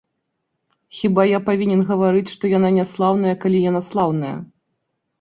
Хіба я павінен гаварыць, што яна няслаўная, калі яна слаўная.